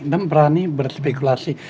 dan berani berspekulasi